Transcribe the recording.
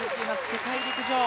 世界陸上。